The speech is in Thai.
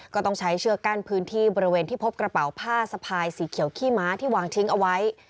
ก็ต้องใช้เชือกกั้นพื้นที่บริเวณที่พบกระเป๋าผ้าสะพายสีเขียวขี้ม้าที่วางทิ้งเอาไว้